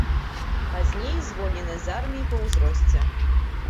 Пазней звольнены з арміі па ўзросце.